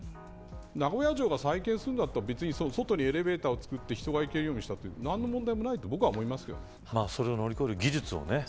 名古屋城が再建するんだったら外にエレベーターを造って人が行けるようにしたって何の問題もないとそれを乗り越える